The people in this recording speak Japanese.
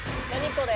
これ。